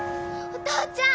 お父ちゃん！